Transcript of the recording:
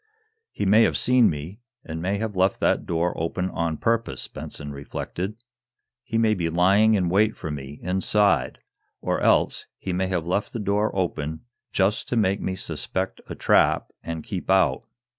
"He may have seen me, and may have left that door open on purpose," Benson reflected. "He may be lying in wait for me, inside. Or else he may have left that door open, just to make me suspect a trap and keep out.